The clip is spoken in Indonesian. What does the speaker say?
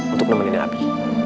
untuk nemenin abi